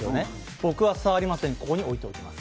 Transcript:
僕は触りません、ここに置いておきます。